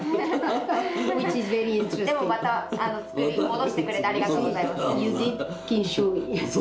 でもまたつくり戻してくれてありがとうございます。